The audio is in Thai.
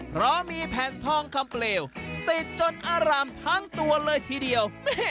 เพราะมีแผ่นทองคำเปลวติดจนอร่ามทั้งตัวเลยทีเดียว